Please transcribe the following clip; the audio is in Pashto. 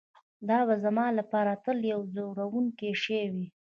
دا به زما لپاره تل یو ځورونکی شی وي